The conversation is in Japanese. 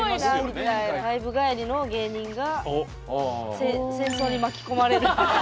ライブ帰りの芸人が戦争に巻き込まれる。